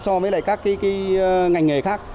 so với lại các cái ngành nghề khác